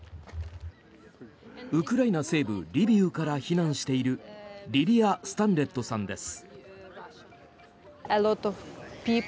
ウクライナ西部リビウから避難しているリリア・スタンレットさんです。